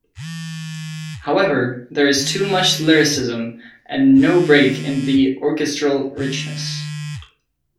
However, there is too much lyricism and no break in the orchestral richness.